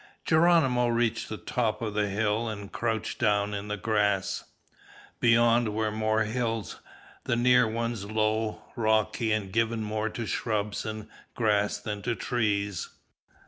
Geronimo reached the top of the hill and crouched down in the grass. Beyond were more hills, the near ones low, rocky, and given more to shrubs and grass than to trees.